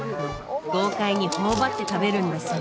豪快に頬張って食べるんだそう。